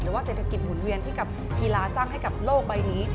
ว่าเศรษฐกิจหมุนเวียนที่กับกีฬาสร้างให้กับโลกใบนี้